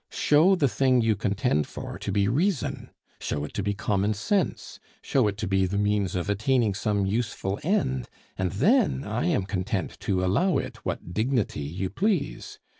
Show the thing you contend for to be reason; show it to be common sense; show it to be the means of attaining some useful end: and then I am content to allow it what dignity you please.